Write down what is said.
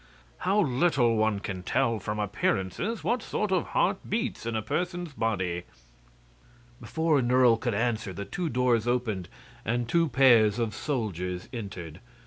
How little one can tell from appearances what sort of heart beats in a person's body!" Before Nerle could answer the two doors opened and two pairs of soldiers entered.